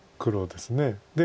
で。